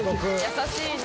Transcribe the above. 優しいな。